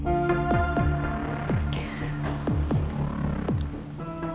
semoga mama gak cerita sama elsa